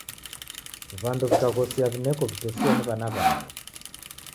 W'andu w'ikaghosia w'ineko w'utesia ni w'ana w'aw'o.